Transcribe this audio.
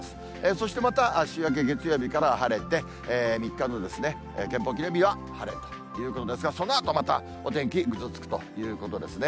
そしてまた週明け月曜日から晴れて、３日の憲法記念日は晴れということですが、そのあとまたお天気、ぐずつくということですね。